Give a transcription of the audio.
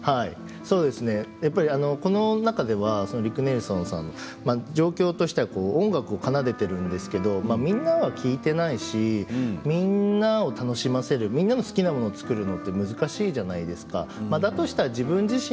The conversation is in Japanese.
この中にはリック・ネルソンさんが状況として音楽を奏でているんですけれどみんなが聴いていないしみんなを楽しませるみんなが好きなものを作るのって難しいじゃないですか。